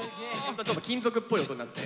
ちょっと金属っぽい音になって。